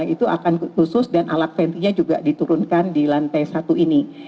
itu akan khusus dan alat ventinya juga diturunkan di lantai satu ini